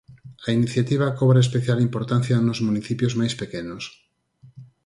A iniciativa cobra especial importancia nos municipios máis pequenos.